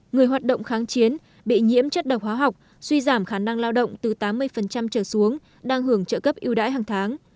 người hoạt động kháng chiến bị nhiễm chất độc hóa học suy giảm khả năng lao động từ tám mươi trở xuống đang hưởng trợ cấp yêu đãi hàng tháng